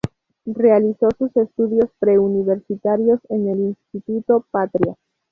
Realizó sus estudios preuniversitarios en el Instituto Patria.